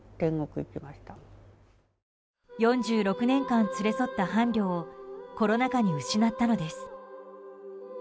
４６年間連れ添った伴侶をコロナ禍に失ったのです。